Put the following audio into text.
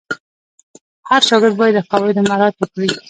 هر شاګرد باید د قواعدو مراعت وکړي.